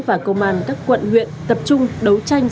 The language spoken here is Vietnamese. và công an các quận huyện tập trung đấu tranh